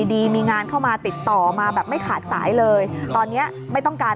ดีมีงานเข้ามาติดต่อมาแบบไม่ขาดสายเลยตอนนี้ไม่ต้องการ